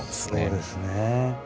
そうですね。